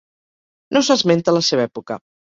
No s'esmenta la seva època.